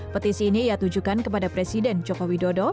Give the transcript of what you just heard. petisi ini ia tujukan kepada presiden jokowi dodo